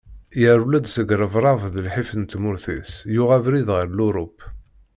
Yerwel-d seg rrebrab d lḥif n tmurt-is yuɣ abrid ɣer Lurup.